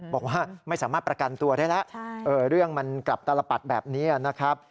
บอกว่าไม่สามารถประกันตัวได้แล้วเรื่องมันกลับตลปัดแบบนี้นะครับ